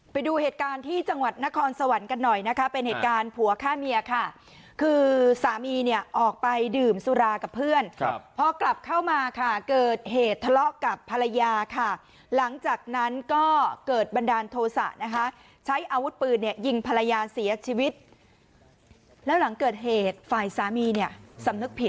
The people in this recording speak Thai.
ไปดูเหตุการณ์ที่จังหวัดนครสวรรค์กันหน่อยนะคะเป็นเหตุการณ์ผัวฆ่าเมียค่ะคือสามีเนี่ยออกไปดื่มสุรากับเพื่อนครับพอกลับเข้ามาค่ะเกิดเหตุทะเลาะกับภรรยาค่ะหลังจากนั้นก็เกิดบันดาลโทษะนะคะใช้อาวุธปืนเนี่ยยิงภรรยาเสียชีวิตแล้วหลังเกิดเหตุฝ่ายสามีเนี่ยสำนึกผิด